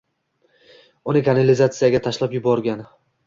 Uni kanalizatsiyaga tashlab yuborgan